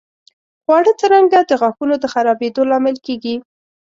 خواړه څرنګه د غاښونو د خرابېدو لامل کېږي؟